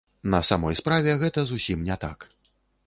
На самой справе гэта зусім не так.